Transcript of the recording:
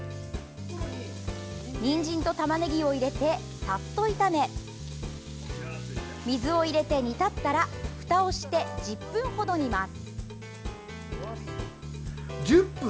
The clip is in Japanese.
にんじんと、たまねぎを入れてさっと炒め水を入れて煮立ったらふたをして１０分程煮ます。